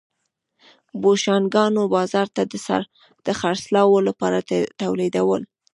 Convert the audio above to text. بوشونګانو بازار ته د خرڅلاو لپاره تولیدول.